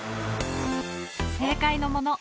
正解のもの